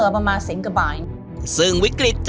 ประมาณ๕๕๐๐๐บาท